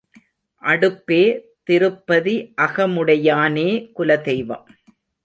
அடுப்பே திருப்பதி அகமுடையானே குலதெய்வம்.